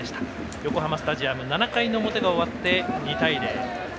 横浜スタジアム７回の表が終わって２対０。